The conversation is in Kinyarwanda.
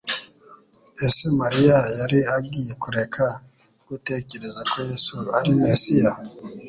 Ese Mariya yari agiye kureka gutekereza ko Yesu ari Mesiya?